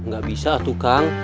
gak bisa tuh kang